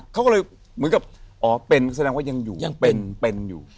เขาก็เลยเหมือนกับอ๋อเป็นแสดงว่ายังอยู่ยังเป็นเป็นอยู่